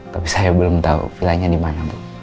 tapi saya belum tahu vilanya dimana bu